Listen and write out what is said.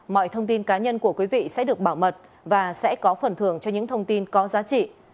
mọi thông tin cá nhân của quý vị sẽ được bảo mật và sẽ có phần thường cho những thông tin có giá trị